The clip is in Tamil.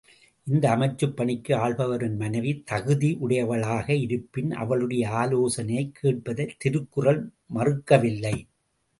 இந்த அமைச்சுப் பணிக்கு ஆள்பவரின் மனைவி தகுதியுடையவளாக இருப்பின் அவளுடைய ஆலோசனையைக் கேட்பதைத் திருக்குறள் மறுக்கவில்லை.